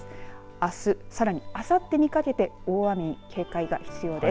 あす、さらにあさってにかけて大雨に警戒が必要です。